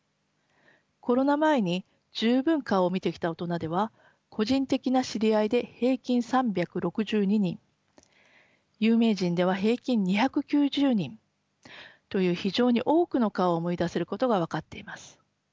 コロナ前に十分顔を見てきた大人では個人的な知り合いで平均３６２人有名人では平均２９０人という非常に多くの顔を思い出せることが分かっています。